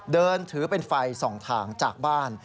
เดินถือเป็นไฟสองทางจากบ้าน